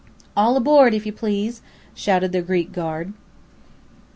"All aboard, if you please!" shouted the Greek guard.